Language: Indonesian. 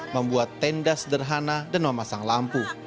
membuat tenda sederhana dan memasang lampu